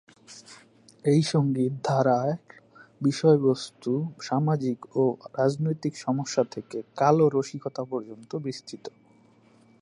এই সঙ্গীত ধারার বিষয়বস্তু সামাজিক ও রাজনৈতিক সমস্যা থেকে কালো রসিকতা পর্যন্ত বিস্তৃত।